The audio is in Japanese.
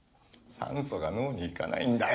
酸素が脳に行かないんだよ！